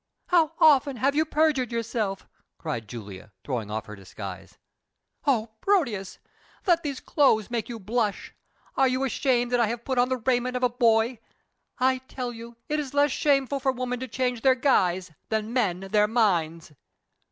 How often have you perjured yourself!" cried Julia, throwing off her disguise. "Oh, Proteus, let these clothes make you blush! Are you ashamed that I have put on the raiment of a boy? I tell you, it is less shameful for women to change their guise than men their minds!"